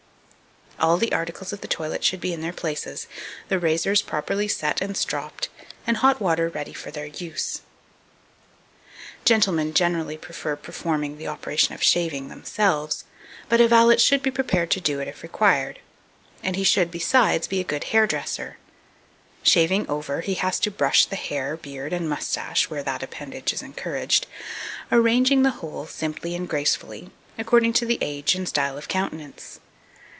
All the articles of the toilet should be in their places, the razors properly set and stropped, and hot water ready for use. 2236. Gentlemen generally prefer performing the operation of shaving themselves, but a valet should be prepared to do it if required; and he should, besides, be a good hairdresser. Shaving over, he has to brush the hair, beard, and moustache, where that appendage is encouraged, arranging the whole simply and gracefully, according to the age and style of countenance.